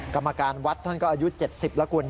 กรรมการวัดท่านก็อายุ๗๐แล้วคุณ